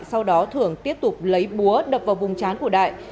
sau đó thưởng tiếp tục lấy búa đập vào vùng trán của đại